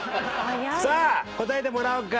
さあ答えてもらおうか！